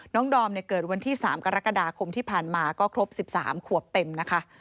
ดอมเกิดวันที่๓กรกฎาคมที่ผ่านมาก็ครบ๑๓ขวบเต็มนะคะ